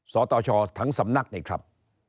สตชทั้งสำนักนี่ครับ